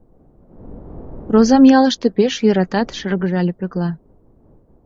Розам ялыште пеш йӧратат, — шыргыжале Пӧкла.